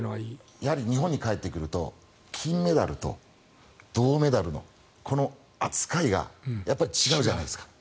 やはり日本に帰ってくると金メダルと銅メダルの扱いが違うじゃないですか。